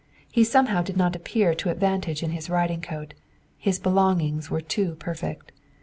He somehow did not appear to advantage in his riding coat, his belongings were too perfect.